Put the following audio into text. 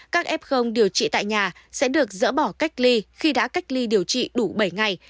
các f điều trị tại nhà sẽ được dỡ bỏ cách ly khi đã cách ly điều trị đủ bảy ngày